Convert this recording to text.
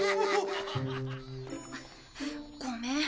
ごめん。